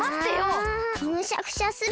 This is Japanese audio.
あむしゃくしゃする！